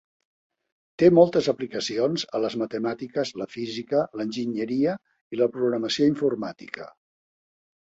Té moltes aplicacions a les matemàtiques, la física, l'enginyeria i la programació informàtica.